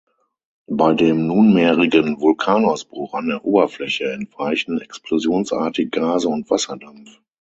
Bei dem nunmehrigen Vulkanausbruch an der Oberfläche entweichen explosionsartig Gase und Wasserdampf.